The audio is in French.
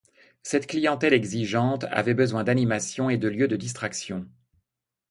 Cette clientèle exigeante avait besoin d'animations et de lieux de distractions.